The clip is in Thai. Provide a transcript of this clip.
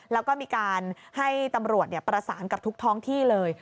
แล้วก็มีการให้ตำรวจประสานกับทุกท้องที่เลย